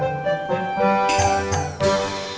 berani beraninya lu bohongin gua ya